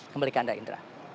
kembali ke anda indra